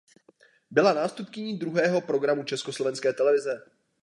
Byla nástupkyní druhého programu Československé televize.